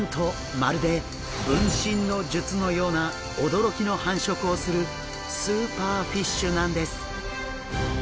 まるで分身の術のような驚きの繁殖をするスーパーフィッシュなんです！